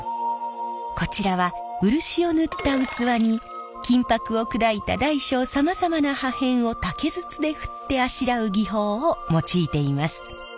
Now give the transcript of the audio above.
こちらは漆を塗った器に金箔を砕いた大小さまざまな破片を竹筒で振ってあしらう技法を用いています。